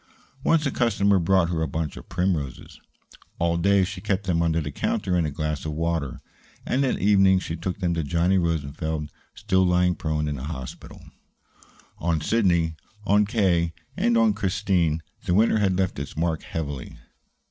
Once a customer brought her a bunch of primroses. All day she kept them under the counter in a glass of water, and at evening she took them to Johnny Rosenfeld, still lying prone in the hospital. On Sidney, on K., and on Christine the winter had left its mark heavily.